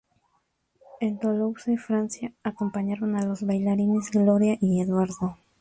En Toulouse, Francia, acompañaron a los bailarines Gloria y Eduardo.